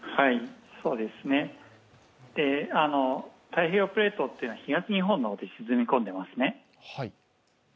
太平洋プレートというのは東日本の方で沈み込んでいますね。